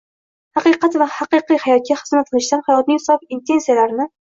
haqiqat va haqiqiy hayotga xizmat qilishdan, hayotning sof intensiyalarini